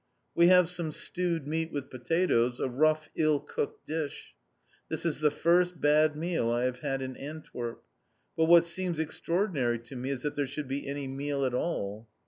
We have some stewed meat with potatoes, a rough, ill cooked dish. This is the first bad meal I have had in Antwerp. But what seems extraordinary to me, is that there should be any meal at all!